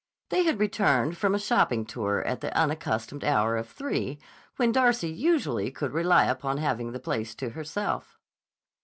They had returned from a shopping tour at the unaccustomed hour of three when Darcy usually could rely upon having the place to herself.